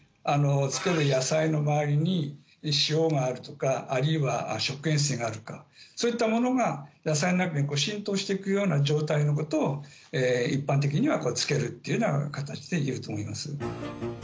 漬ける野菜の周りに塩があるとかあるいは食塩水があるかそういったものが野菜の中に浸透して行くような状態のことを一般的には漬けるっていうような形でいうと思います。